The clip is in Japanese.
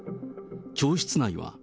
教室内は。